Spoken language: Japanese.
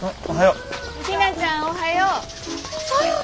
おはよう。